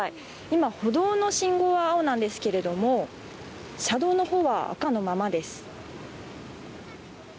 今、歩道の信号は青なんですけど車道のほうは赤のままです。